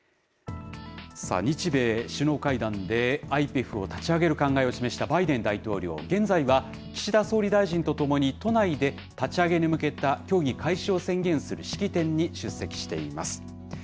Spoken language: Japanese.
日米首脳会談で、ＩＰＥＦを立ち上げる考えを示したバイデン大統領、現在は岸田総理大臣と共に、都内で立ち上げに向けた協議開始を宣言する式典に出席しています。